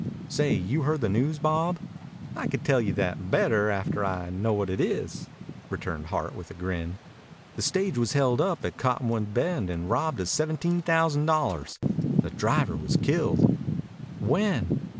"Say, you heard the news, Bob?" "I can tell you that better after I know what it is," returned Hart with a grin. "The stage was held up at Cottonwood Bend and robbed of seventeen thousand dollars. The driver was killed." "When?"